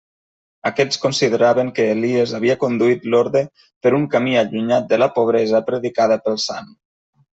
Aquests consideraven que Elies havia conduït l'orde per un camí allunyat de la pobresa predicada pel sant.